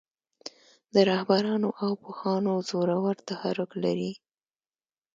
د رهبرانو او پوهانو زورور تحرک لري.